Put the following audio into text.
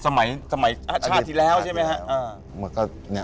สมัยชาติที่แล้วใช่ไหมครับ